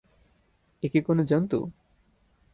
এ কি কোনো জন্তু?